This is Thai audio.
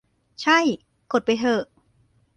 ใช่ กดไปเหอะ